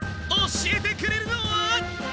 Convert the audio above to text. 教えてくれるのは。